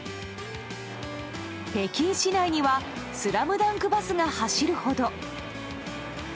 北京市内にはスラムダンクバスが走るほど。